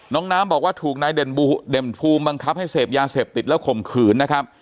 น้องน้ำบอกว่าถูกนายเด่นภูมิบังคับให้เสพยาเสพติดแล้วข่มขืนนะครับ